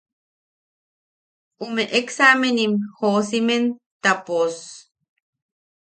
Ume examenim joosimen ta pos.